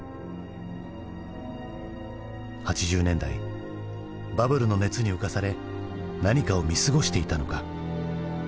８０年代バブルの熱に浮かされ何かを見過ごしていたのか？